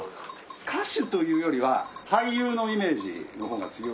歌手というよりは俳優のイメージの方が強い。